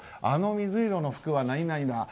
あの水色の服は何々だ